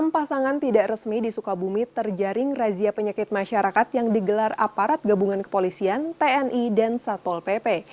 enam pasangan tidak resmi di sukabumi terjaring razia penyakit masyarakat yang digelar aparat gabungan kepolisian tni dan satpol pp